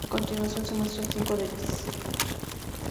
A continuación se muestran cinco de ellas.